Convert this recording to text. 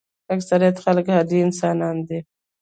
اکثریت خلک عادي انسانان دي.